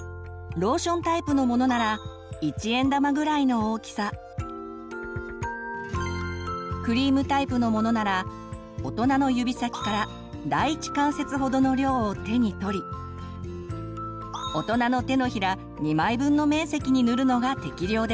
ローションタイプのものならクリームタイプのものなら大人の指先から第一関節ほどの量を手に取り大人の手のひら２枚分の面積に塗るのが適量です。